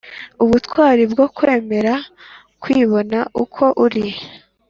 Ubutwari bwo kwemera kwibona uko uri